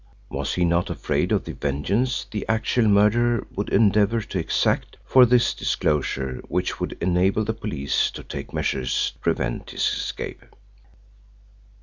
Was he not afraid of the vengeance the actual murderer would endeavour to exact for this disclosure which would enable the police to take measures to prevent his escape?